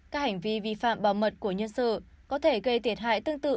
các hành vi vi phạm bảo mật của nhân sự có thể gây thiệt hại tương tự